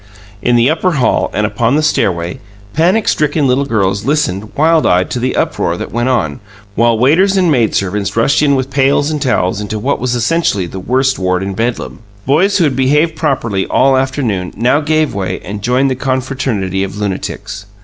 In the upper hall and upon the stairway, panic stricken little girls listened, wild eyed, to the uproar that went on, while waiters and maid servants rushed with pails and towels into what was essentially the worst ward in Bedlam. Boys who had behaved properly all afternoon now gave way and joined the confraternity of lunatics.